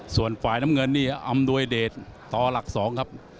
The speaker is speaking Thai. ส่วนฝ่ายน้ำเงินนี่อำนวยเดชต่อหลัก๒ครับ